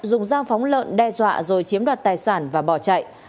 dùng dao phóng lợn đe dọa rồi chiếm đoạt tài sản và bỏ chạy